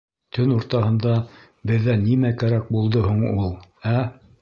Төн уртаһында беҙҙән нимә кәрәк булды һуң ул, ә?